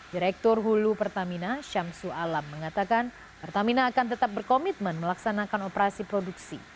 direktur hulu pertamina syamsul alam mengatakan pertamina akan tetap berkomitmen melaksanakan operasi produksi